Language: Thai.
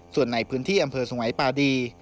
ส่วนในพื้นที่อำเภอสงัยปาดี